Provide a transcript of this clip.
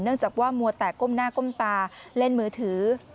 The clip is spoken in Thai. จากว่ามัวแตกก้มหน้าก้มตาเล่นมือถือ